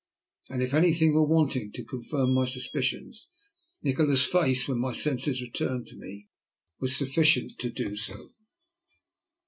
And if anything were wanting to confirm my suspicions, Nikola's face, when my senses returned to me, was sufficient to do so.